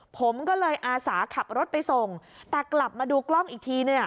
ผมก็เลยอาสาขับรถไปส่งแต่กลับมาดูกล้องอีกทีเนี่ย